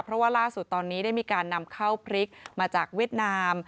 เพราะว่าล่าสุดตอนนี้ได้มีการนำข้าวพริกมาจากเวียดนาม